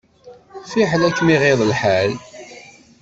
Fiḥel ad kem-iɣiḍ lḥal.